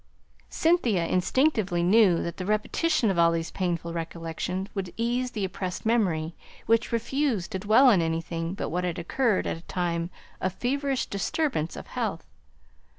Cynthia instinctively knew that the repetition of all these painful recollections would ease the oppressed memory, which refused to dwell on anything but what had occurred at a time of feverish disturbance of health.